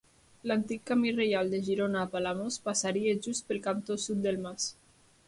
L'antic camí reial de Girona a Palamós passaria just pel cantó sud del mas.